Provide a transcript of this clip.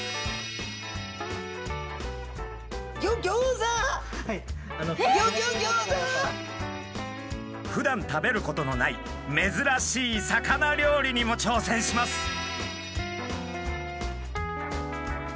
ギョギョギョーザ！ふだん食べることのない珍しい魚料理にも挑戦します。